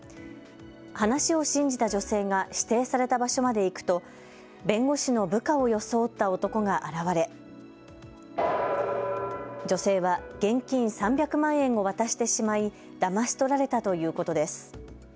話を信じた女性が指定された場所まで行くと弁護士の部下を装った男が現れ女性は現金３００万円を渡してしまいだまし取られたということです。